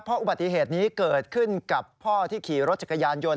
เพราะอุบัติเหตุนี้เกิดขึ้นกับพ่อที่ขี่รถจักรยานยนต